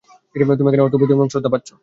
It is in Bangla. তুমি এখানে অর্থ উপার্জন এবং শ্রদ্ধা পাচ্ছো।